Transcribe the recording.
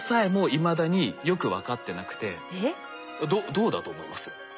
どうだと思います？